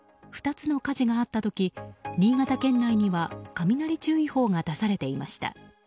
２つの火事が起きた時に新潟県内には雷注意報が出されていました。